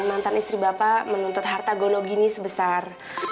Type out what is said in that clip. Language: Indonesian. mantan istri bapak menuntut harta gono gini sebesar